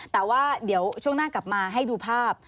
แต่ว่าเดี๋ยวช่วงหน้ากลับมาให้ดูภาพ